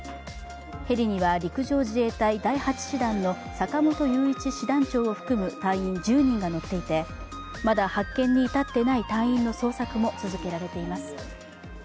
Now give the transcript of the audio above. ヘリには陸上自衛隊第８師団の坂本雄一師団長を含む隊員１０人が乗っていて、まだ発見に至っていない隊員の捜索も続けられています。